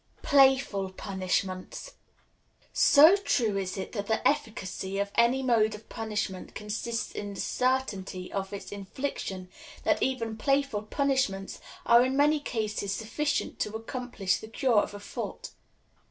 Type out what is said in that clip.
Playful Punishments. So true is it that the efficacy of any mode of punishment consists in the certainty of its infliction, that even playful punishments are in many cases sufficient to accomplish the cure of a fault.